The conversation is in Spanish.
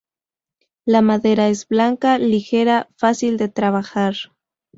La madera es blanca, ligera, fácil de trabajar.